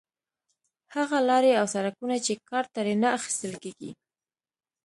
هغه لارې او سړکونه چې کار ترې نه اخیستل کېږي.